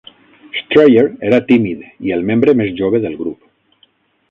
Strayer era tímid, i el membre més jove del grup.